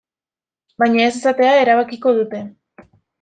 Baina ez esatea erabakiko dute.